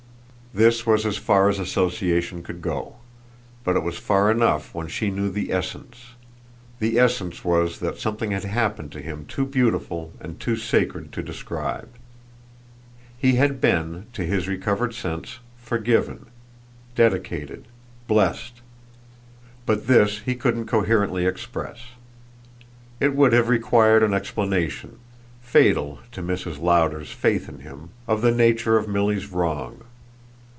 This was as far as association could go, but it was far enough when she knew the essence. The essence was that something had happened to him too beautiful and too sacred to describe. He had been, to his recovered sense, forgiven, dedicated, blessed; but this he couldn't coherently express. It would have required an explanation fatal to Mrs. Lowder's faith in him of the nature of Milly's wrong.